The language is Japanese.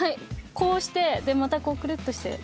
こうしてでまたこうくるっとして。